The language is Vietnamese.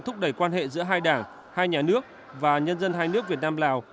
thúc đẩy quan hệ giữa hai đảng hai nhà nước và nhân dân hai nước việt nam lào